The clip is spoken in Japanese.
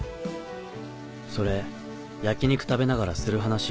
それ焼き肉食べながらする話？